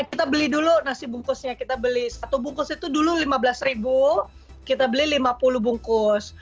kita beli dulu nasi bungkusnya kita beli satu bungkus itu dulu lima belas kita beli lima puluh bungkus